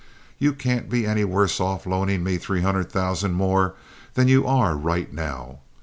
You can't be any worse off loaning me three hundred thousand more than you are right now.